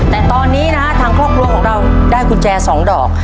แต่ตอนนี้นะฮะทางครอบครัวของเราได้กุญแจ๒ดอก